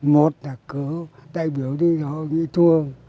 một là cử đại biểu đi họp nghĩa thua